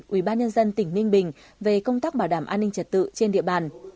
ủy ban nhân dân tỉnh ninh bình về công tác bảo đảm an ninh trật tự trên địa bàn